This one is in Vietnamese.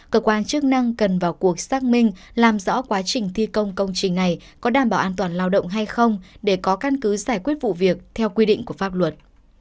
cơ quan chức năng cần vào cuộc xác minh làm rõ quá trình thi công công trình này có đảm bảo an toàn lao động hay không để có căn cứ giải quyết vụ việc theo quy định của pháp luật